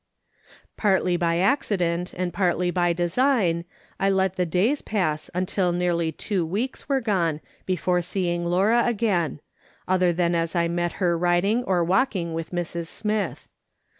Partly by accident and partly by design I let the days pass until nearly two weeks were gone before seeing Laura again, other than as I met her riding or walking with Mrs. Smith.